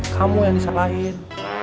kamu yang disalahin